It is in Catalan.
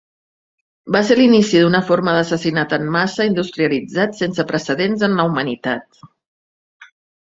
Va ser l'inici d'una forma d'assassinat en massa industrialitzat sense precedents en la humanitat.